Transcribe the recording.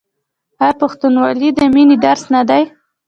آیا پښتونولي د مینې درس نه دی؟